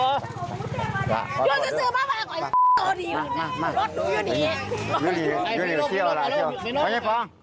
เอายังไงพร้อม